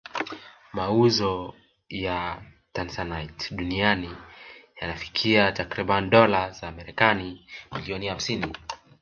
Mauzo ya Tanzanite duniani yanafikia takribani dola za Marekani milioni hamsini